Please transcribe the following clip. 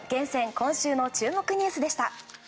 今週の注目ニュースでした。